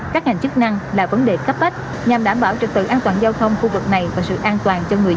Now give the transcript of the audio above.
các ngành chức năng là vấn đề cấp bách nhằm đảm bảo trực tự an toàn giao thông khu vực này và sự an toàn cho người dân